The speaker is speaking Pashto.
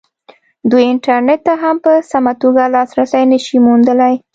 دوی انټرنېټ ته هم په سمه توګه لاسرسی نه شي موندلی.